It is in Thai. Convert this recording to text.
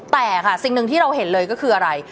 แต่ค่ะสิ่งหนึ่งที่เราเห็นเลยก็คืออะไร